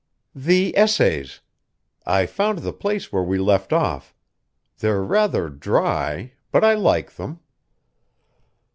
"The Essays. I found the place where we left off. They're rather dry, but I like them."